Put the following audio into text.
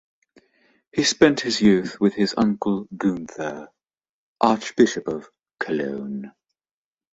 He spent his youth with his uncle Gunther, Archbishop of Cologne.